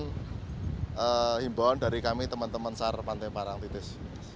ini adalah imbauan dari kami teman teman sar parang tritis